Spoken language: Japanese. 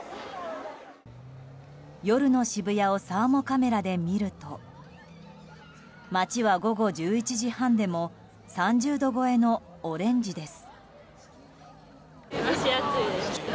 夜の渋谷をサーモカメラで見ると街は午後１１時半でも３０度超えのオレンジです。